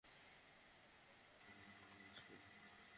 এগুলো এককালে রবিন আর লরি এর ছিল।